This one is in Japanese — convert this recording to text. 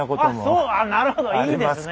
そうなるほどいいですね。